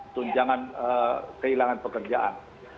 tunjangan kehilangan pekerjaan